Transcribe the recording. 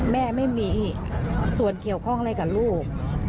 แม่ไม่มีส่วนเกี่ยวข้องอะไรกับลูก